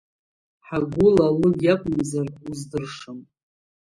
Ҳгәыла алыг иакәымзар уздыршам…